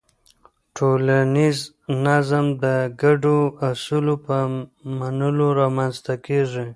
ټولنیز نظم د ګډو اصولو په منلو رامنځته کېږي.